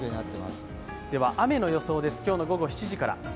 雨の予想です、今日の午後７時から。